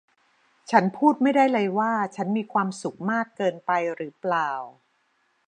ฉันพูดไม่ได้เลยว่าฉันมีความสุขมากเกินไปหรือเปล่า